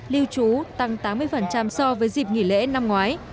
lưu trú tăng tám mươi so với dịp nghỉ lễ năm ngoái